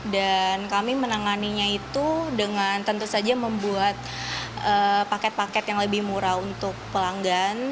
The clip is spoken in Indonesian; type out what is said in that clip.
dan kami menanganinya itu dengan tentu saja membuat paket paket yang lebih murah untuk pelanggan